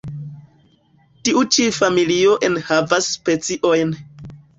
Tio ĉi familio enhavas speciojn.